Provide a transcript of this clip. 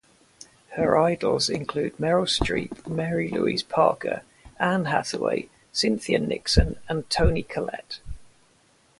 Her idols include Meryl Streep, Mary-Louise Parker, Anne Hathaway, Cynthia Nixon and Toni Collette.